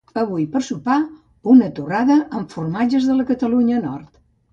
Avui per sopar una torrada amb formatges de la Catalunya nord